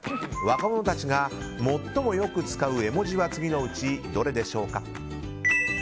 若者たちが最もよく使う絵文字は次のうち、どれでしょうか？